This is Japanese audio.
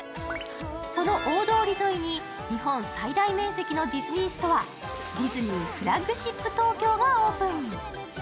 その大通り沿いに日本最大面積のディズニーストア、ディズニーフラッグシップ東京がオープン。